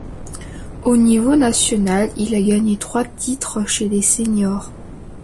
Au niveau national, il a gagné trois titres chez les seniors.